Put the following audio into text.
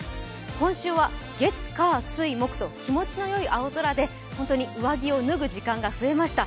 今週は月火水木と気持ちの良い青空で本当に上着を脱ぐ時間が続きました。